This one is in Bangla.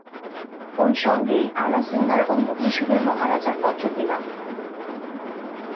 ঐ সঙ্গেই আলাসিঙ্গার ও মহীশূরের মহারাজার পত্র পেলাম।